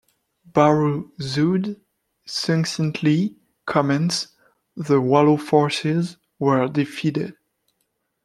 Bahru Zewde succinctly comments: The Wallo forces were defeated.